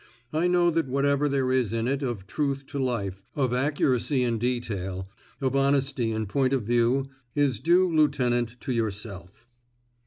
I know thaii whatever there is in it of truth to l^e^ of accuracy in detaU, qf honesty in point of view, is due^ lieutenant, to yourself.